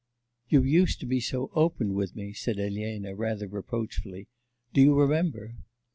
'You used to be so open with me,' said Elena rather reproachfully. 'Do you remember?